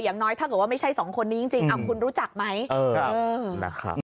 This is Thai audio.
อย่างน้อยถ้าเกิดว่าไม่ใช่สองคนนี้จริงคุณรู้จักไหมนะครับ